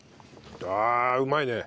ああうまいね。